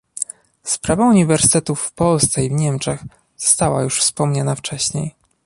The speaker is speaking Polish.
Sprawa uniwersytetów w Polsce i w Niemczech została już wspomniana wcześniej